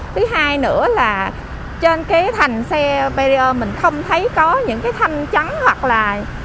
thứ hai nữa là trên cái thành xe perrier mình không thấy có những cái thanh trắng hoặc là